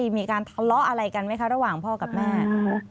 มีการทะเลาะอะไรกันไหมคะระหว่างพ่อกับแม่